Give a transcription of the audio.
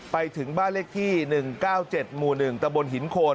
ไปถึงบ้านเลขที่๑๙๗หมู่๑ตะบนหินโคน